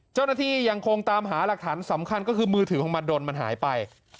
เจ้าหน้าที่ยังคงตามหาหลักฐานสำคัญก็คือมือถือของมาดนมันหายไป